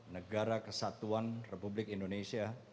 negara kesatuan republik indonesia